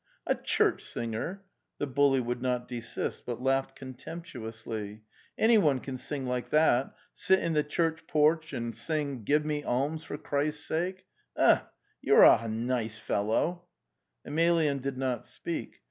'A church singer!'"? The bully would not desist, but laughed contemptuously. ' Anyone can sing like that — sit in the church porch and sing ' Give me alms, for Christ's sake!' Ugh! you are a nice fel low!" Emelyan did not speak.